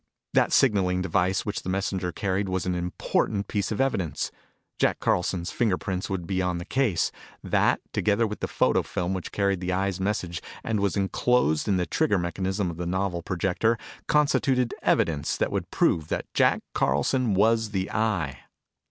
That signaling device which the messenger carried was an important piece of evidence. Jack Carlson's finger prints would be on the case. That, together with the photo film which carried the Eye's message and was enclosed in the trigger mechanism of the novel projector, constituted evidence that would prove that Jack Carlson was the Eye.